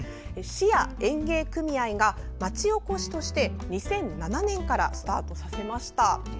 市や園芸組合が、町おこしとして２００７年からスタートさせました。